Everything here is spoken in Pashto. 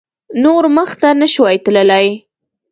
نور مخته نه شوای تللای.